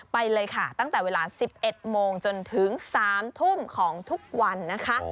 ไปเลยค่ะตั้งแต่เวลา๑๑โมงจนถึง๓ทุ่มของทุกวันนะคะ